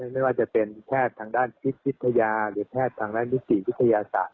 ไม่ว่าจะเป็นแพทย์ทางด้านจิตวิทยาหรือแพทย์ทางด้านนิติวิทยาศาสตร์